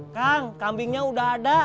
kang kambingnya udah ada